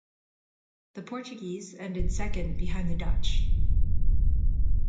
The Portuguese ended second behind the Dutch.